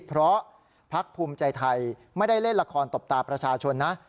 เพราะพักภูมิใจไทยไม่ได้เล่นละครตบตาประชาชนนะ